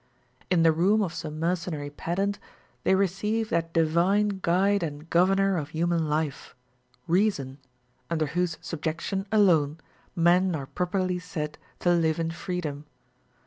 In the room of some mercenary pedant, they receive that divine guide and governor of human life, reason, under whose subjection alone men are properly said to live in freedom.